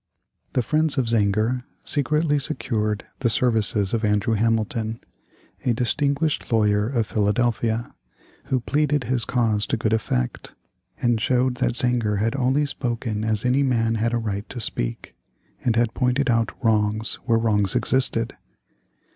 The friends of Zenger secretly secured the services of Andrew Hamilton, a distinguished lawyer of Philadelphia, who pleaded his cause to good effect, and showed that Zenger had only spoken as any man had a right to speak, and had pointed out wrongs where wrongs existed.